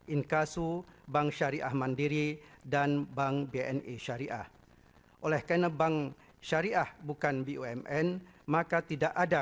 inkasu bank syariah mandiri dan bank bni syariah oleh karena bank syariah bukan bumn maka tidak ada